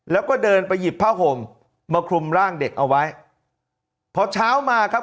แล้วก็เดินไปหยิบผ้าห่มมาคลุมร่างเด็กเอาไว้พอเช้ามาครับ